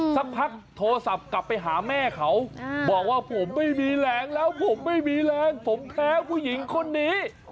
สักพักโทรศัพท์กลับไปหาแม่เขาบอกว่าผมไม่มีแรงแล้วผมไม่มีแรงผมแพ้ผู้หญิงคนนี้